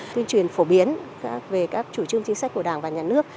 tuyên truyền phổ biến về các chủ trương chính sách của đảng và nhà nước